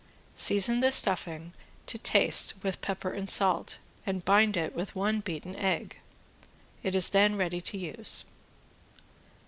Season the stuffing to taste with pepper and salt and bind it with one beaten egg. It is then ready to use.